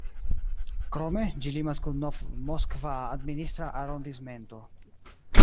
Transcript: Krome, ĝi limas kun Nov-Moskva administra arondismento.